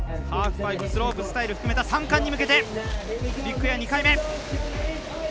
ハーフパイプスロープスタイル含めた３冠に向けてビッグエア２回目。